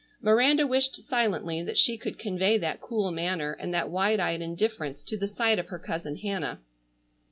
Miranda wished silently that she could convey that cool manner and that wide eyed indifference to the sight of her cousin Hannah.